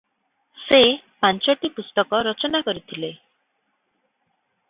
ସେ ପାଞ୍ଚଟି ପୁସ୍ତକ ରଚନା କରିଥିଲେ ।